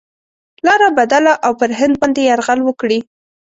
لاره بدله او پر هند باندي یرغل وکړي.